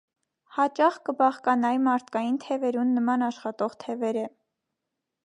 Յաճախ կը բաղկանայ մարդկային թեւերուն նման աշխատող թեւերէ։